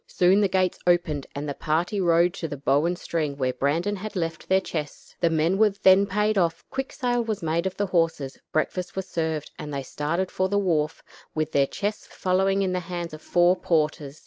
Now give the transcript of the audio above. Soon the gates opened, and the party rode to the Bow and String, where Brandon had left their chests. The men were then paid off; quick sale was made of the horses; breakfast was served, and they started for the wharf, with their chests following in the hands of four porters.